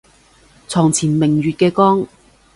床前明月嘅光